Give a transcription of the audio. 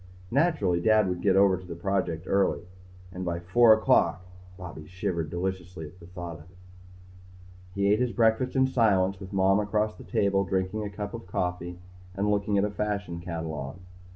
Naturally Dad would get over to the project early. And at four o'clock Bobby shivered deliciously at the thought of it. He ate his breakfast in silence with Mom across the table drinking a cup of coffee and looking at a fashion catalogue.